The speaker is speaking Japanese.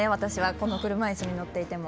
この車いすに乗っていても。